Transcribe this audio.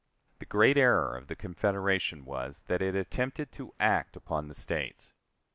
The great error of the Confederation was, that it attempted to act upon the States.